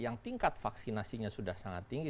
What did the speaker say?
yang tingkat vaksinasinya sudah sangat tinggi